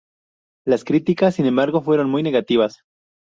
Las críticas, sin embargo, fueron muy negativas.